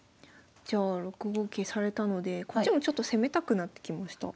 じゃあ６五桂されたのでこっちもちょっと攻めたくなってきました。